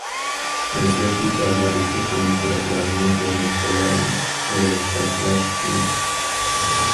دەسلەپكى چاغلاردىكى قىيىنچىلىقلارنى بىر نۇقتىغا يىغىنچاقلاش قىيىن.